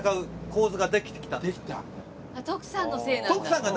徳さんのせいなんだ。